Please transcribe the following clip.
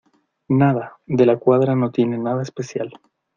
nada, De la Cuadra no tiene nada especial.